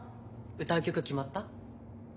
歌う曲決まった？